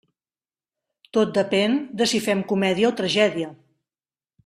Tot depén de si fem comèdia o tragèdia.